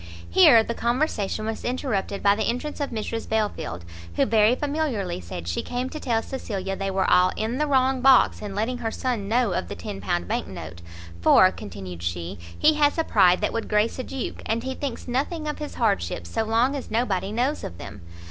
Here the conversation was interrupted by the entrance of Mrs Belfield, who very familiarly said she came to tell Cecilia they were all in the wrong box in letting her son know of the £10 bank note, "for," continued she, "he has a pride that would grace a duke, and he thinks nothing of his hardships, so long as nobody knows of them.